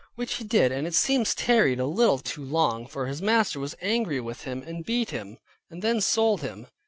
Which he did, and it seems tarried a little too long; for his master was angry with him, and beat him, and then sold him.